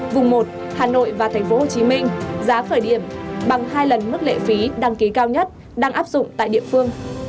vùng một hà nội và tp hcm giá khởi điểm bằng hai lần mức lệ phí đăng ký cao nhất đang áp dụng tại địa phương